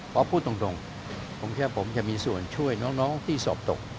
เพราะพูดตรงผมแค่ผมจะมีส่วนช่วยน้องที่สอบตก